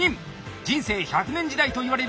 「人生１００年時代」といわれる